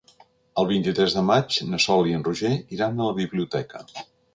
El vint-i-tres de maig na Sol i en Roger iran a la biblioteca.